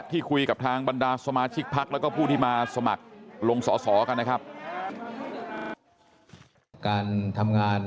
ที่คุยกับทางบรรดาสมาชิกพักแล้วก็ผู้ที่มาสมัครลงสอสอกันนะครับ